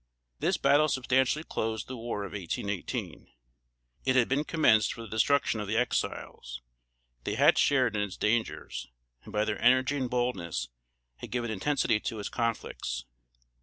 This battle substantially closed the war of 1818. It had been commenced for the destruction of the Exiles; they had shared in its dangers, and by their energy and boldness, had given intensity to its conflicts.